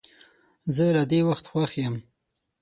زه له دې وخت خوښ یم.